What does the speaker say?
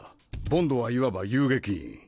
ボンドはいわば遊撃員。